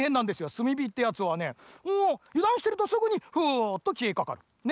すみびってやつはねもう油断してるとすぐにフーッときえかかる。ね。